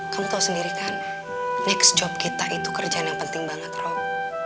kamu tahu sendiri kan next job kita itu kerjaan yang penting banget rob